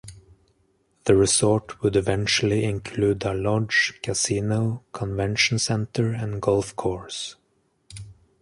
The resort would eventually include a lodge, casino, convention center and golf course.